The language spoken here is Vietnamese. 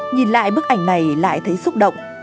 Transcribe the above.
nhìn lại bức ảnh này lại thấy xúc động